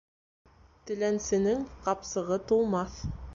Теләнсенең ҡапсығы тулмаҫ.